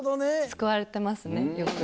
救われてますねよく。